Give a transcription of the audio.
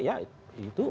ya itu organisasi